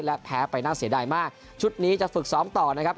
และแพ้ไปน่าเสียดายมากชุดนี้จะฝึกซ้อมต่อนะครับ